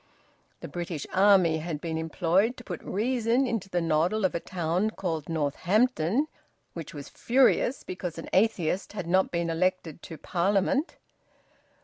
The British Army had been employed to put reason into the noddle of a town called Northampton which was furious because an atheist had not been elected to Parliament.